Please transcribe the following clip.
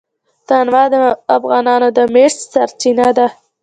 تنوع د افغانانو د معیشت سرچینه ده.